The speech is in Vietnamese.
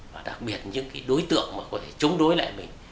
và đặc biệt những cái đối tượng mà có thể chống đối lại mình